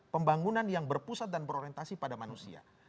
pembangunan yang berpusat dan berorientasi pada manusia